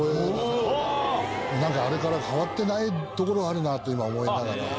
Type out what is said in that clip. あれから変わってないところあるなぁって今思いながら。